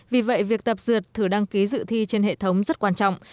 vì vậy việc tập dượt thử đăng ký dự thi trên hệ thống rất quan trọng